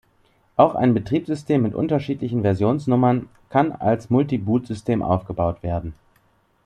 Auch ein Betriebssystem mit unterschiedlichen Versionsnummern kann als Multi-Boot-System aufgebaut werden.